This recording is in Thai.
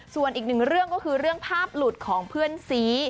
ส่วนอีกหนึ่งเรื่องก็คือเรื่องภาพหลุดของเพื่อนซี